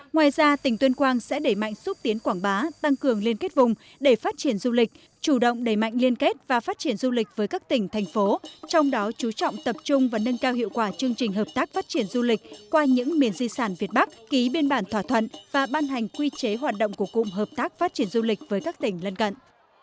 ngoài ra tỉnh tuyên quang sẽ đẩy mạnh xúc tiến quảng bá tăng cường liên kết vùng để phát triển du lịch chủ động đẩy mạnh liên kết và phát triển du lịch với các tỉnh thành phố trong đó chú trọng tập trung và nâng cao hiệu quả chương trình hợp tác phát triển du lịch qua những miền di sản việt bắc ký biên bản thỏa thuận và ban hành quy chế hoạt động của cụm hợp tác phát triển du lịch với các tỉnh lân cận